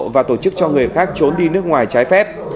và tổ chức cho người khác trốn đi nước ngoài trái phép